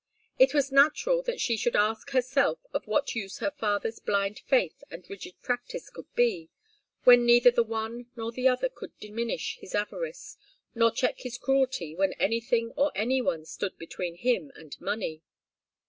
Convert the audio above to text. It was natural that she should ask herself of what use her father's blind faith and rigid practice could be, when neither the one nor the other could diminish his avarice nor check his cruelty when anything or any one stood between him and money.